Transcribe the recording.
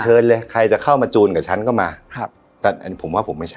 เชิญเลยใครจะเข้ามาจูนกับฉันก็มาครับแต่อันนี้ผมว่าผมไม่ใช่